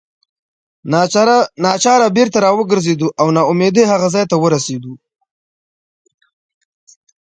ناچاره بیرته راوګرځېدو او نا امیدۍ هغه ځای ته ورسېدو.